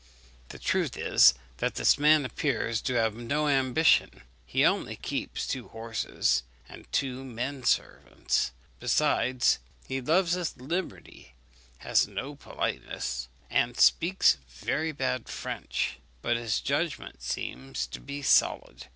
The truth is, that this man appears to have no ambition. He only keeps two horses and two men servants. Besides, he loves his liberty, has no politeness, and speaks very bad French; but his judgment seems to be solid.